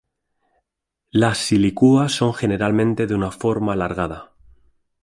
Las silicuas son generalmente de una forma alargada.